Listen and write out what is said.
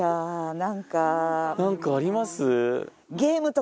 なんかあります？